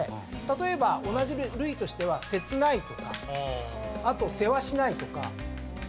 例えば同じ類としては切ないとかあとせわしないとか。